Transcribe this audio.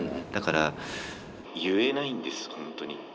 だから言えないんです本当に。